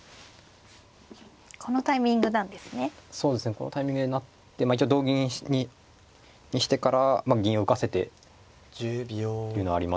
このタイミングで成って一応同銀にしてから銀浮かせてっていうのありますね。